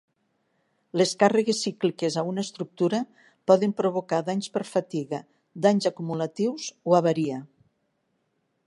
Les càrregues cícliques a una estructura poden provocar danys per fatiga, danys acumulatius o avaria.